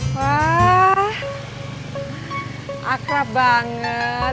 wah akrab banget